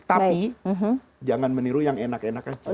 tapi jangan meniru yang enak enak aja